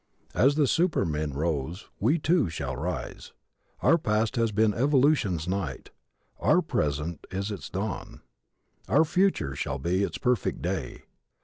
As the supermen rose we, too, shall rise. Our past has been evolution's night. Our present is its dawn. Our future shall be its perfect day.